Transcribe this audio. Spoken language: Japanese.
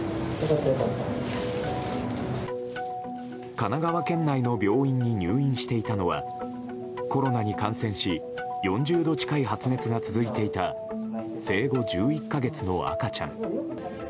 神奈川県内の病院に入院していたのはコロナに感染し４０度近い発熱が続いていた生後１１か月の赤ちゃん。